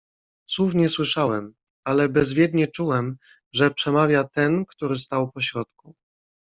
"Słów nie słyszałem, ale bezwiednie czułem, że przemawia ten który stał pośrodku."